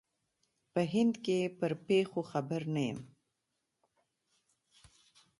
په هند کې پر پېښو خبر نه یم.